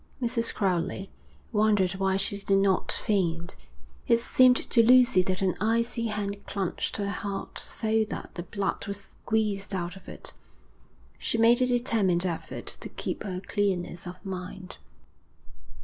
Mrs. Crowley wondered why she did not faint. It seemed to Lucy that an icy hand clutched her heart so that the blood was squeezed out of it. She made a determined effort to keep her clearness of mind.